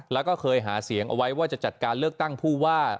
แล้วก็เคยหาเสียงเอาไว้ว่าจะจัดการเลือกตั้งผู้ว่า